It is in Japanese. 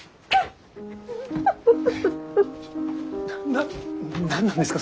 な何なんですか？